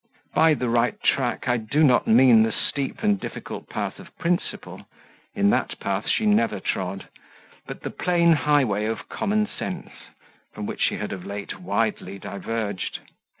By the right track, I do not mean the steep and difficult path of principle in that path she never trod; but the plain highway of common sense, from which she had of late widely diverged.